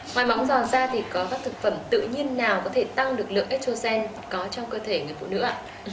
ngoài móng giò ra thì có các thực phẩm tự nhiên nào có thể tăng được lượng estrogen có trong cơ thể người phụ nữ ạ